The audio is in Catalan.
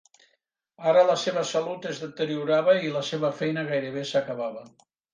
Ara la seva salut es deteriorava i la seva feina gairebé s'acabava.